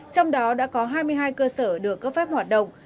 trong đó đã có hai mươi hai cơ sở được cấp phép hoạt động